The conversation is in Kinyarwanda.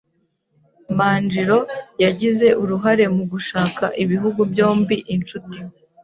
Manjiro yagize uruhare mu gushaka ibihugu byombi inshuti.